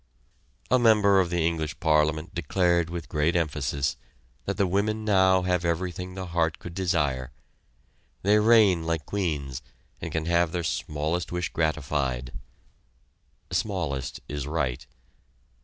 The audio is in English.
A member of the English Parliament declared with great emphasis that the women now have everything the heart could desire they reign like queens and can have their smallest wish gratified. ("Smallest" is right.)